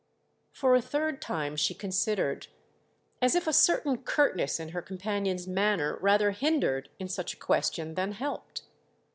For a third time she considered, as if a certain curtness in her companion's manner rather hindered, in such a question, than helped.